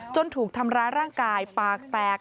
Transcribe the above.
ถูกทำร้ายร่างกายปากแตก